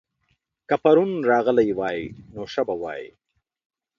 که پرون راغلی وای؛ نو ښه به وای